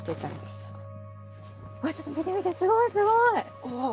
すごいすごい！